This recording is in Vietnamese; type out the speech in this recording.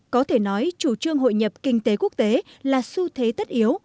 có thể nói chủ trương hội nhập kinh tế quốc tế là xu thế tất yếu